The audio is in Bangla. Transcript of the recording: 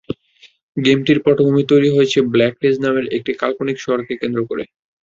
গেমটির পটভূমি তৈরি হয়েছে ব্ল্যাকরিজ নামের একটি কাল্পনিক শহরকে কেন্দ্র করে।